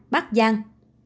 năm bắc giang